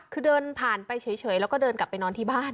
คือเดินผ่านไปเฉยแล้วก็เดินกลับไปนอนที่บ้าน